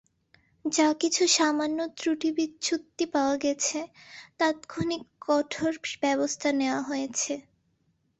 যা কিছু সামান্য ত্রুটিবিচ্যুতি পাওয়া গেছে, তাৎক্ষণিক কঠোর ব্যবস্থা নেওয়া হয়েছে।